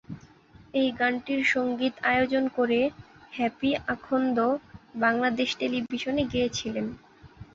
এই গানটির সংগীত আয়োজন করে হ্যাপি আখন্দ বাংলাদেশ টেলিভিশনে গেয়েছিলেন।